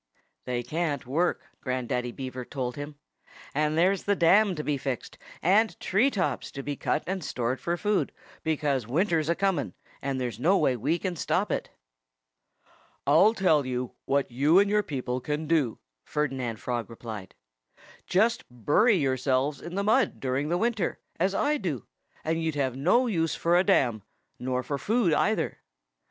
"They can't work," Grandaddy Beaver told him. "And there's the dam to be fixed, and tree tops to be cut and stored for food, because winter's a coming, and there's no way we can stop it." "I'll tell you what you and your people can do," Ferdinand Frog replied. "Just bury yourselves in the mud during the winter, as I do, and you'd have no use for a dam, nor for food, either."